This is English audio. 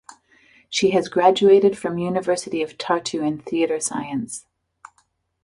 She has graduated from University of Tartu in theatre science.